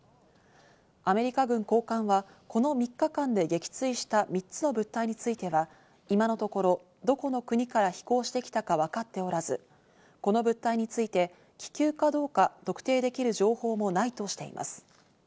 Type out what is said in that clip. アメリカ軍高官は、この３日間で撃墜した３つの物体については今のところ、どこの国から飛行してきたか分かっておらず、この物体について、気球かどうか特定できる情報もないとしています。